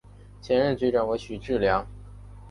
前任局长为许志梁。